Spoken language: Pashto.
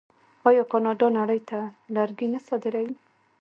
آیا کاناډا نړۍ ته لرګي نه صادروي؟